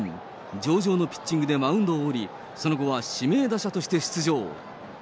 上々のピッチングでマウンドを降り、その後は指名打者として出場。